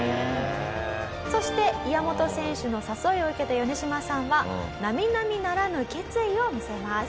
そして岩本選手の誘いを受けたヨネシマさんは並々ならぬ決意を見せます。